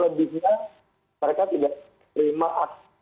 lebihnya mereka tidak terima